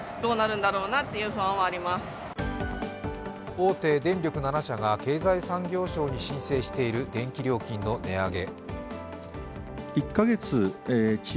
大手電力７社が経済産業省に申請している電気料金の値上げ。